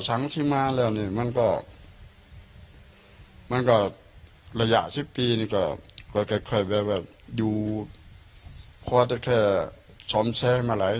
สั้นที่มาแล้วนี่มันก็มันก็ระยะสิบปีนี่ก็ค่อยค่อยแบบว่าดูพ่อเจ้าแคร์ช้อมแซ่มาไหล